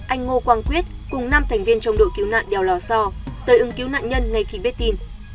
anh ngô quang quyết cùng năm thành viên trong đội cứu nạn đèo lò so tới ưng cứu nạn nhân ngay khi biết tin